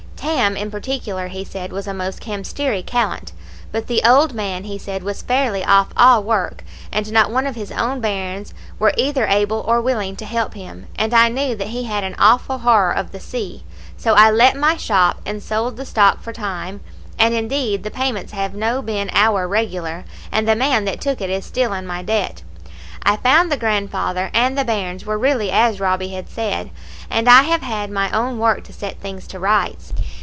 Tam, in particular, he said, was a most camsteery callant; but the old man, he said, was fairly off all work, and not one of his own bairns were either able or willing to help him, and I knew that he had an awful horror of the sea. So I let my shop, and sold the stock for time; and indeed the payments have no been owre regular, and the man that took it is still in my debt. I found the grandfather and the bairns were really as Robbie had said, and I have had my own work to set things to rights.